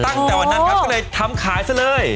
ตั้งแต่วันนั้นครับก็เลยทำขายซะเลย